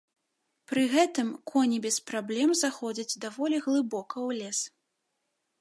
Пры гэтым коні без праблем заходзяць даволі глыбока ў лес.